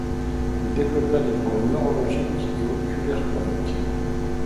Il développa des problèmes neurologiques et oculaires chroniques.